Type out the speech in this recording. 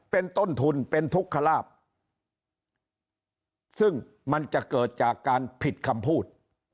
เป็นต้นทุนเป็นทุกขลาบซึ่งมันจะเกิดจากการผิดคำพูด